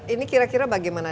ini kira kira bagaimana